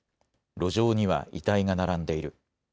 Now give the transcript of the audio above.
路上には遺体が並んでいる。